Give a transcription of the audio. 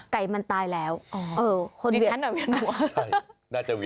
ไก่มันตายแล้ว